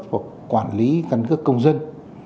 và quản lý căn cước công dân